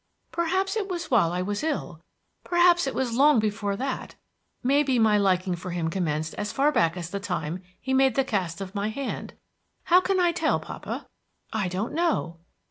"Perhaps it was while I was ill; perhaps it was long before that; may be my liking for him commenced as far back as the time he made the cast of my hand. How can I tell, papa? I don't know."